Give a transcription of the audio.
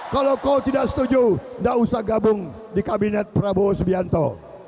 kalau kau tidak setuju tidak usah gabung di kabinet prabowo subianto